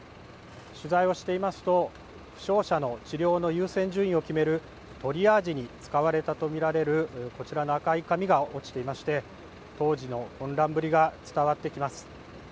取材をしていますと負傷者の治療の優先順位を決めるトリアージに使われたと見られるこちらの赤い紙が落ちていまして当時の混乱ぶりが伝わってきます。